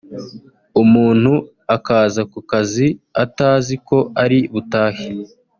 umuntu akaza ku kazi atazi ko ari butahe